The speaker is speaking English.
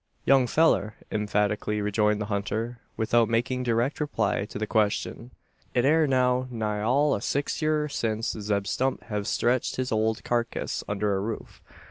"Young fellur!" emphatically rejoined the hunter, without making direct reply to the question. "It air now nigh all o' six yeer since Zeb Stump hev stretched his ole karkiss under a roof.